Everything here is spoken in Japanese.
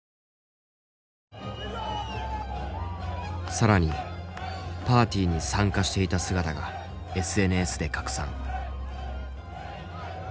更にパーティーに参加していた姿がＳＮＳで拡散。